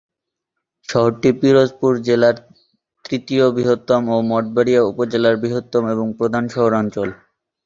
শহরটি পিরোজপুর জেলার তৃতীয় বৃহত্তম ও মঠবাড়িয়া উপজেলার বৃহত্তম এবং প্রধান শহরাঞ্চল।